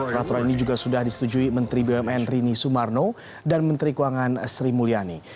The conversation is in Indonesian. peraturan ini juga sudah disetujui menteri bumn rini sumarno dan menteri keuangan sri mulyani